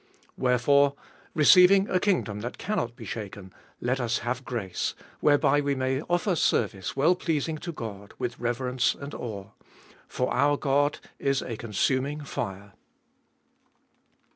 28. Wherefore, receiving a kingdom that cannot be shaken, let us have grace, whereby we may offer service well pleasing to God with reverence and awe : 29. For our God is a consuming fire.